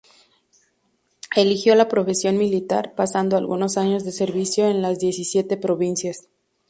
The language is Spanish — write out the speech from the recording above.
Eligió la profesión militar, pasando algunos años de servicio en las Diecisiete Provincias.